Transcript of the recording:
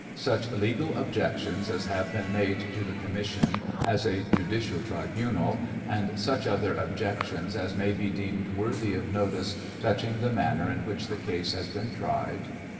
Such legal objections as have been made to the commission as a judicial tribunal, and such other objections as may be deemed worthy of notice touching the manner in which the case has been tried.